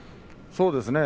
そうですね。